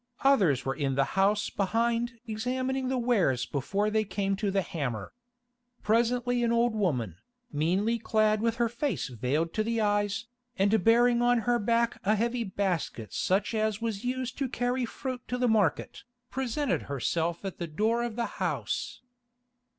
Others were in the house behind examining the wares before they came to the hammer. Presently an old woman, meanly clad with her face veiled to the eyes, and bearing on her back a heavy basket such as was used to carry fruit to market, presented herself at the door of the house.